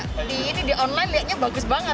tapi di online liatnya bagus banget